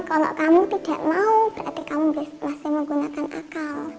kalau kamu tidak mau berarti kamu masih menggunakan akal